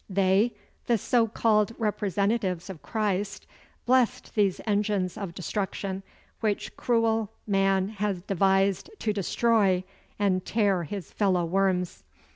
They, the so called representatives of Christ, blessed these engines of destruction which cruel man has devised to destroy and tear his fellow worms.